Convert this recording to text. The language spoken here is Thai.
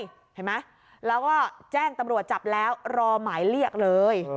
เห็นไหมแล้วก็แจ้งตำรวจจับแล้วรอหมายเรียกเลย